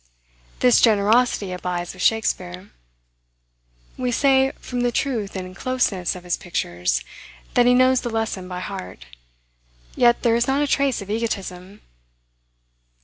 This generosity abides with Shakspeare. We say, from the truth and closeness of his pictures, that he knows the lesson by heart. Yet there is not a trace of egotism.